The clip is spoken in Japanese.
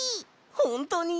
ほんとに？